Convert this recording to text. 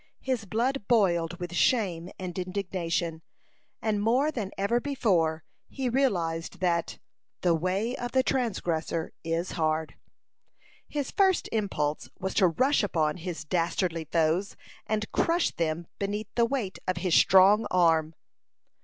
His blood boiled with shame and indignation, and more than ever before he realized that "the way of the transgressor is hard." His first impulse was to rush upon his dastardly foes, and crush them beneath the weight of his strong arm.